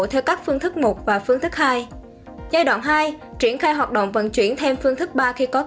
theo các phương thức một và phương thức hai